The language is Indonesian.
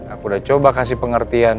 aku udah coba kasih pengertian